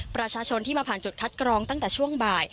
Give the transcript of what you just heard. ประชาชนที่มาผ่านจุดคัดกรองตั้งแต่ช่วงบ่าย